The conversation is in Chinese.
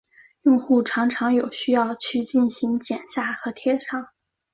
用户常常有需要去进行剪下和贴上。